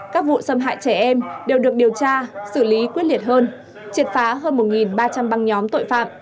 các vụ xâm hại trẻ em đều được điều tra xử lý quyết liệt hơn triệt phá hơn một ba trăm linh băng nhóm tội phạm